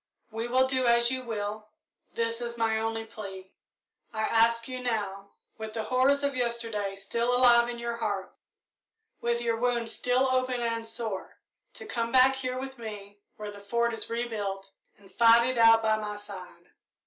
We will do as you will this is my only plea. I ask you now, with the horrors of yesterday still alive in your heart, with your wound still open and sore, to come back here with me, when the Fort is rebuilt, and fight it out by my side.